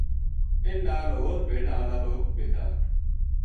ان نال ہور بھیڈاں ہالا لوک بے تھا